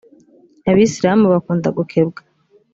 abisiramu bakunda gukebwa.